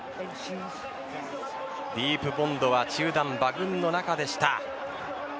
ディープボンドは中団馬群の中でした。